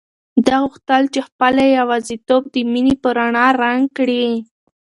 ده غوښتل چې خپله یوازیتوب د مینې په رڼا رنګ کړي.